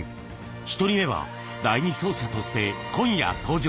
１人目は第２走者として今夜登場。